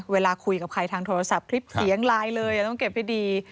เวลาคุยกับใครทางโทรศัพท์คลิปเสียงไลน์เลยต้องเก็บให้ดี